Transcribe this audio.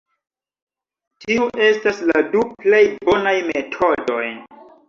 Tiu estas la du plej bonaj metodoj.